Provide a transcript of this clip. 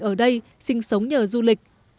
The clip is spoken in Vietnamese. ở đây sinh sống nhờ du lịch